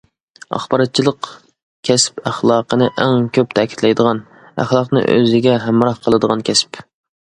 ئاخباراتچىلىق— كەسىپ ئەخلاقىنى ئەڭ كۆپ تەكىتلەيدىغان، ئەخلاقنى ئۆزىگە ھەمراھ قىلىدىغان كەسىپ.